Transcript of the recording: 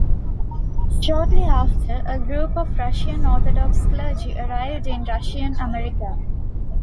Shortly after, a group of Russian Orthodox clergy arrived in Russian America.